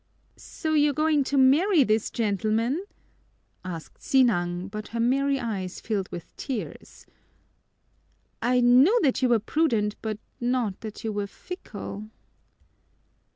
"So you're going to marry this gentleman?" asked Sinang, but her merry eyes filled with tears. "I knew that you were prudent but not that you were fickle."